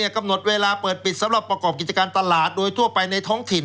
กำหนดเวลาเปิดปิดสำหรับประกอบกิจการตลาดโดยทั่วไปในท้องถิ่น